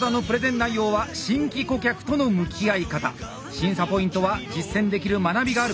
審査ポイントは「実践できる学びがあるか」